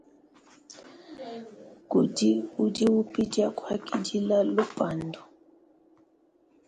Kudi udi upidia kuakidila lupandu.